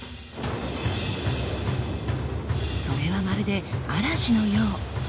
それはまるで嵐のよう。